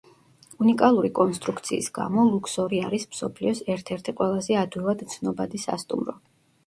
უნიკალური კონსტრუქციის გამო ლუქსორი არის მსოფლიოს ერთ-ერთი ყველაზე ადვილად ცნობადი სასტუმრო.